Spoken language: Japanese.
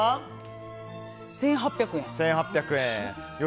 １８００円。